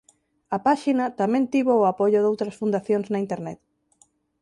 A páxina tamén tivo o apoio doutras fundacións na internet.